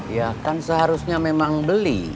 ya kan seharusnya memang beli